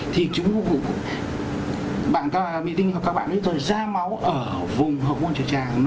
thì chúng bác sĩ các bạn biết rồi da máu ở vùng hộp môn trực trạng